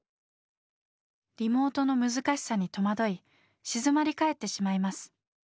リモートの難しさに戸惑い静まり返ってしまいます。